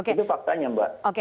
itu faktanya mbak